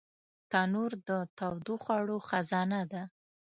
تنور د تودو خوړو خزانه ده